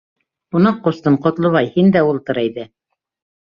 Ҡунаҡ ҡустым, Ҡотлобай, һин дә ултыр әйҙә.